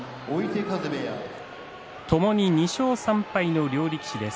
ともに２勝３敗の両力士です。